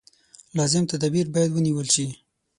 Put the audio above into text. لازم تدابیر باید ونېول شي.